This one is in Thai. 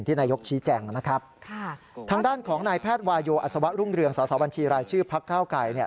ทางด้านของนายแพทย์วายโยอัศวะรุ่งเรืองสาวบัญชีรายชื่อพระเก้าไก่